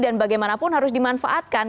dan bagaimanapun harus dimanfaatkan